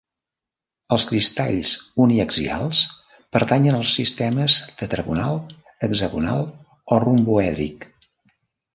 Els cristalls uniaxials pertanyen als sistemes tetragonal, hexagonal o romboèdric.